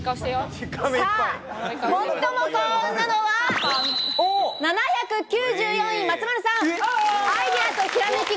最も幸運なのは、７９４位、松丸さん！